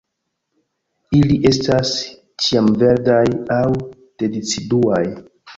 Ili estas ĉiamverdaj aŭ deciduaj.